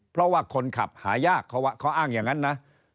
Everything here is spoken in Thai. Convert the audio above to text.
เพราะว่าคนขับหายากเขาอ้างอย่างนั้นนะ